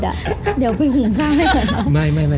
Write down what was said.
เดี๋ยวพึ่งหืนข้าวให้เขา